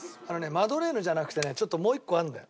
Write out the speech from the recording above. マドレーヌじゃなくてねちょっともう一個あるんだよ。